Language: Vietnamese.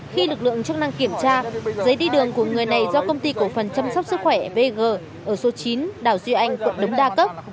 khi lực lượng chức năng kiểm tra giấy đi đường của người này do công ty cổ phần chăm sóc sức khỏe vg ở số chín đào duy anh quận đống đa cấp